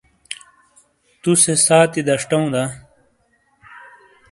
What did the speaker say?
تُو سے سانتی دشٹَوں دا؟